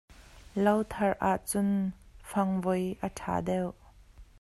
Lo thar ah cun fangvoi a ṭha deuh.